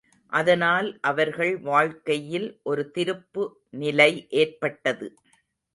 அதனால் அவர்கள் வாழ்க்கையில் ஒரு திருப்பு நிலை ஏற்பட்டது.